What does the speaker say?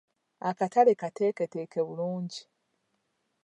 Akatale kateeketeeke bulungi.